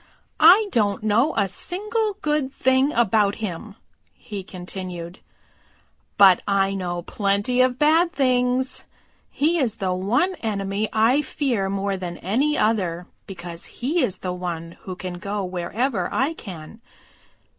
"I don't know a single good thing about him," he continued, "but I know plenty of bad things. He is the one enemy I fear more than any other because he is the one who can go wherever I can.